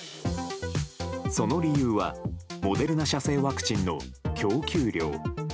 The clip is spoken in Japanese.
その理由はモデルナ社製ワクチンの供給量。